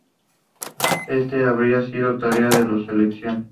Este habría sido tarea de los salesianos.